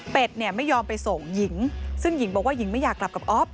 เป็นเนี่ยไม่ยอมไปส่งหญิงซึ่งหญิงบอกว่าหญิงไม่อยากกลับกับอ๊อฟ